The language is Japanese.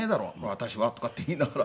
私は」とかって言いながら。